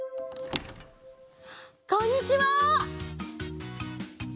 こんにちは！